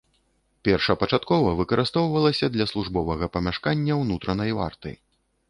Першапачаткова выкарыстоўвалася для службовага памяшкання ўнутранай варты.